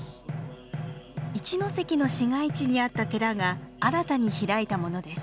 一関の市街地にあった寺が新たに開いたものです。